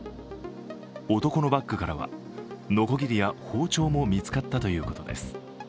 男のバッグからは、のこぎりや包丁も見つかったということです。